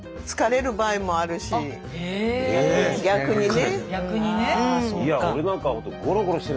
逆にね。